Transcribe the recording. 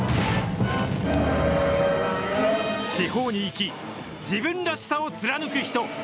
地方に生き、自分らしさを貫く人。